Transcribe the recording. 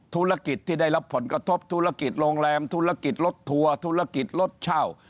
ธุรกิจที่ได้รับผลกระทบธุรกิจโรงแรมธุรกิจรถทัวร์ธุรกิจรถเช่า